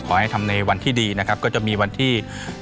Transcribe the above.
ขอให้ทำในวันที่ดีนะครับก็จะมีวันที่